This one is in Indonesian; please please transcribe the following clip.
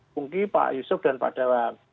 bungki pak yusuf dan pak dawang